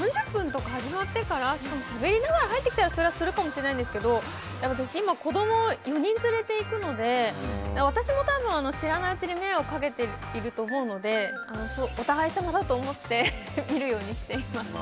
今の始まってから３０分とかしかも、しゃべりながら入ってきたらするかもしれないんですけど今、子供を４人連れているので知らないうちに迷惑をかけていると思うのでお互い様だと思って見るようにしています。